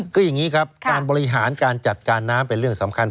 คืออย่างนี้ครับการบริหารการจัดการน้ำเป็นเรื่องสำคัญ